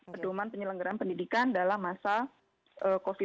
pedoman penyelenggaran pendidikan dalam masa covid sembilan belas